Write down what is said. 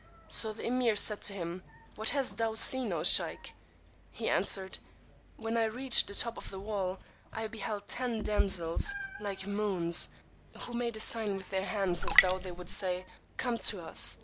So the Emeer said to him, What hast thou seen, O sheykh? He answered, When I reached the top of the wall, I beheld ten damsels, like moons, who made a sign with their hands, as though they would say, Come to us.